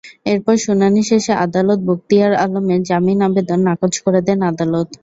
এরপর শুনানি শেষে আদালত বখতিয়ার আলমের জামিন আবেদন নাকচ করে দেন আদালত।